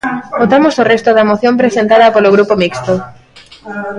Votamos o resto da moción presentada polo Grupo Mixto.